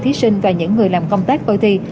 thí sinh và những người làm công tác coi thi